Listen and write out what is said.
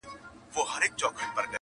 چي عطار دوکان ته راغی ډېر خپه سو.!